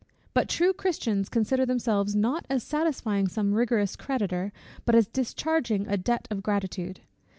But true Christians consider themselves not as satisfying some rigorous creditor, but as discharging a debt of gratitude.